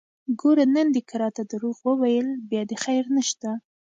ګوره نن دې که راته دروغ وويل بيا دې خير نشته!